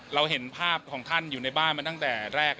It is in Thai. เราเห็นภาพของท่านอยู่ในบ้านมาตั้งแต่แรก